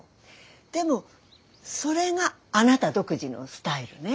でもそれがあなた独自のスタイルね。